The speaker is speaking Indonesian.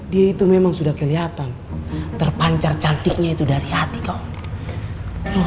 dia itu memang sudah kelihatan terpancar cantiknya itu dari hati kok